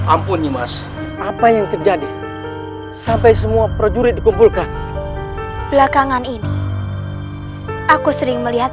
ampuni mas apa yang terjadi sampai semua prajurit dikumpulkan belakangan ini aku sering melihat